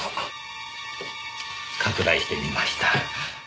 拡大してみました。